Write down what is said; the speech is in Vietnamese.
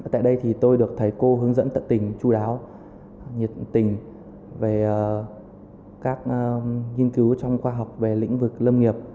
tại đây thì tôi được thầy cô hướng dẫn tận tình chú đáo nhiệt tình về các nghiên cứu trong khoa học về lĩnh vực lâm nghiệp